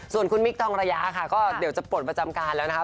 ส่วนคุณมิคทองระยะค่ะก็เดี๋ยวจะปลดประจำการแล้วนะคะ